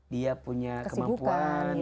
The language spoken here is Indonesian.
dia punya kemampuan